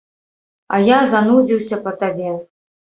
А я занудзіўся па табе.